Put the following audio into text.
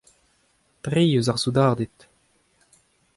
Tri eus ar soudarded.